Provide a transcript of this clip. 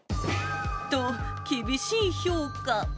と、厳しい評価。